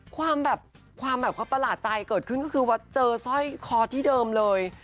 ความแบบความแบบเขาประหลาดใจเกิดขึ้นก็คือว่าเจอสร้อยคอที่เดิมเลย